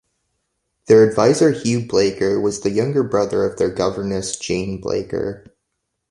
Their advisor Hugh Blaker was the younger brother of their governess Jane Blaker.